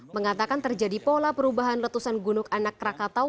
mengatakan terjadi pola perubahan letusan gunung anak rakatau